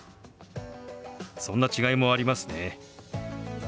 そんな違いもありますね。